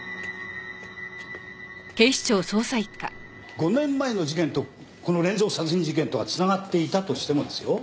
５年前の事件とこの連続殺人事件とがつながっていたとしてもですよ